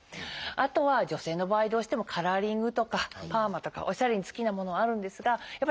あとは女性の場合どうしてもカラーリングとかパーマとかおしゃれに好きなものはあるんですがやっぱり激しいもの